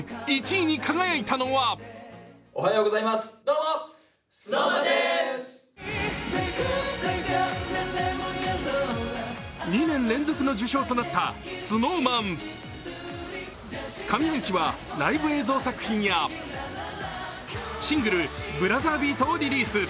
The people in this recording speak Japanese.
１位に輝いたのは２年連続の受賞となったＳｎｏｗＭａｎ上半期はライブ映像作品やシングル「ブラザービート」をリリース。